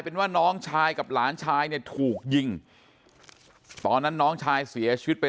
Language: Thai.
เป็นว่าน้องชายกับหลานชายเนี่ยถูกยิงตอนนั้นน้องชายเสียชีวิตไป